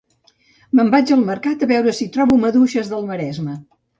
Me'n vaig al mercat a veure si trobo maduixes del maresme